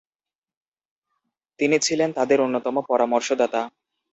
তিনি ছিলেন তাদের অন্যতম পরামর্শদাতা।